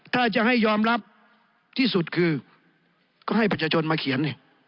ถ้าจะให้ยอมรับที่สุดคือก็ให้ประชาชนมาเขียน